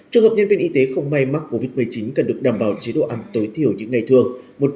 trường hợp nhân viên y tế không may mắc covid một mươi chín cần được đảm bảo chế độ ăn tối thiểu những ngày thường